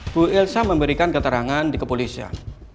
bu elsa memberikan keterangan ke polisian